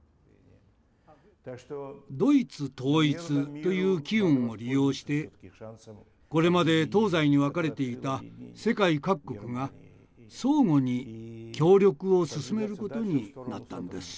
ドイツ統一という機運を利用してこれまで東西に分かれていた世界各国が相互に協力を進めることになったのです。